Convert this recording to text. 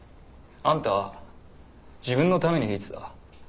あんたは自分のために弾いてた。